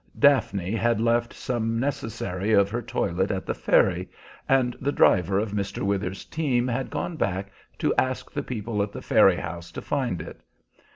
Daphne had left some necessary of her toilet at the ferry, and the driver of Mr. Withers's team had gone back to ask the people at the ferry house to find it.